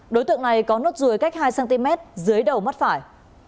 đối tượng này có nốt ruồi cách hai cm dưới đầu mắt phải